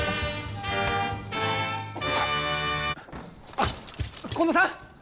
あっ近藤さん？